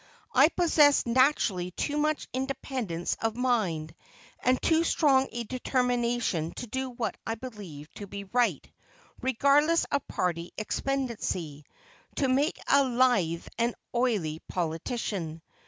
I possess naturally too much independence of mind, and too strong a determination to do what I believe to be right, regardless of party expediency, to make a lithe and oily politician.